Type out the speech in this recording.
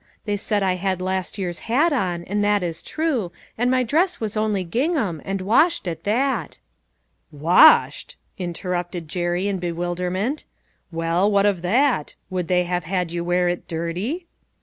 They said I had a last year's hat on, and that is true, and my dress was only gingham, and washed at that." "Washed!" interrupted Jerry in bewilder ment ;" well, what of that ? Would they have had you wear it dirty